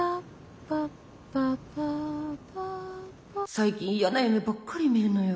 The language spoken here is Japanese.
最近やな夢ばっかり見るのよ。